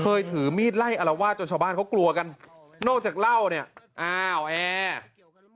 ถือมีดไล่อารวาสจนชาวบ้านเขากลัวกันนอกจากเหล้าเนี่ยอ้าวแอร์